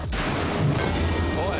おい！